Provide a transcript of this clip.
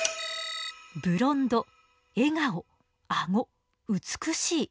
ブロンド笑顔あご美しい。